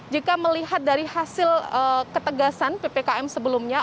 jika melihat dari hasil ketegasan ppkm sebelumnya